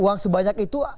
uang sebanyak itu